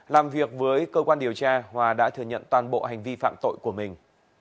làm việc với cơ quan điều tra hòa đã thừa nhận toàn bộ hành vi phạm tội của mình